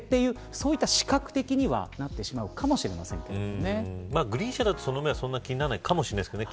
そういった視覚的にはなってしまうかもグリーン車だとそんなに気にはならないかもしれませんけどね。